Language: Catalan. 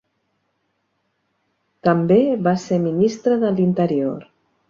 També va ser Ministre de l'Interior.